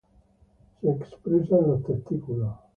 Se expresa en los testículos.